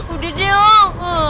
udah deh oh